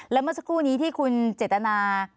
แล้วเมื่อสักครู่นี้ที่คุณเจตนา